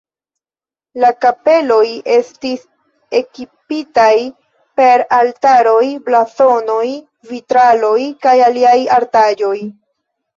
La kapeloj estis ekipitaj per altaroj, blazonoj, vitraloj kaj aliaj artaĵoj.